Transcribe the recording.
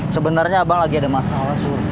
sebenarnya abang lagi ada masalah suruh